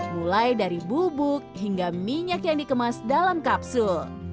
mulai dari bubuk hingga minyak yang dikemas dalam kapsul